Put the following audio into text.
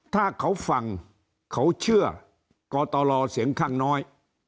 ถ้าเขาฟังเขาเชื่อกตรเสียงข้างน้อย